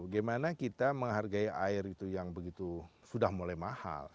bagaimana kita menghargai air itu yang begitu sudah mulai mahal